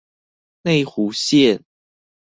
內湖線